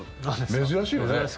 珍しいよね。